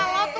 lo tuh keren